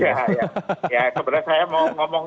ya sebenarnya saya mau ngomong